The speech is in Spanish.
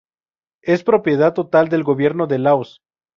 Es propiedad total del gobierno de Laos.